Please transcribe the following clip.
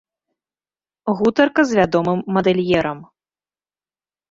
Гутарка з вядомым мадэльерам.